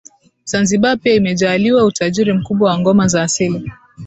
Zanzibar pia imejaaliwa utajiri mkubwa wa ngoma za asili